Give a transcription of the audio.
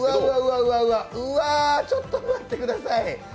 うわうわ、ちょっと待ってください。